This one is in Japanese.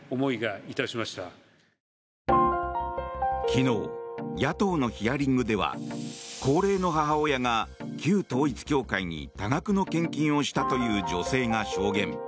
昨日、野党のヒアリングでは高齢の母親が旧統一教会に多額の献金をしたという女性が証言。